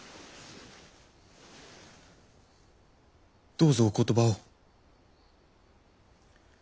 どうぞお言葉を。